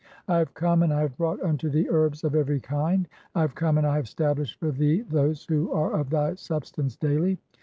(3i) "I have come, and I have brought unto thee herbs of "every kind. (32) "I have come, and I have stablished for thee those who "are of thy substance daily.